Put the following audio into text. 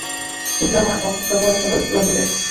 ইকরামা এবং সফওয়ানই কেবল লড়তে চায়।